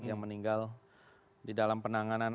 yang meninggal di dalam penanganan